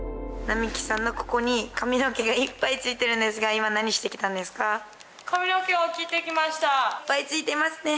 並木さんのここに髪の毛がいっぱいついてるんですがいっぱいついていますね。